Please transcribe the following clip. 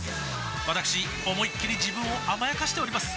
わたくし思いっきり自分を甘やかしております